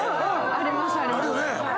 ありますあります。